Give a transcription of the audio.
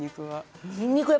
にんにくは。